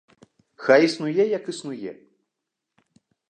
Хай існуе, як існуе.